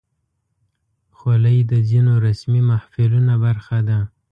خولۍ د ځینو رسمي محفلونو برخه ده.